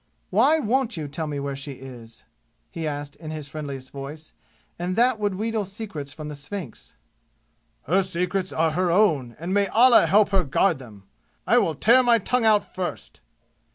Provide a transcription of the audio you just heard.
"Why won't you tell me where she is?" he asked in his friendliest voice, and that would wheedle secrets from the Sphynx. "Her secrets are her own, and may Allah help her guard them! I will tear my tongue out first!"